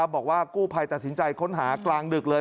บอกว่ากู้ภัยตัดสินใจค้นหากลางดึกเลย